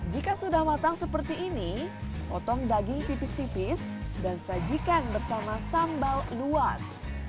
jika sudah matang seperti ini potong daging tipis tipis dan sajikan bersama sambal luas